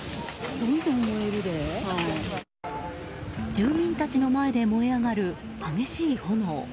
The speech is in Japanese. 住民たちの前で燃え上がる激しい炎。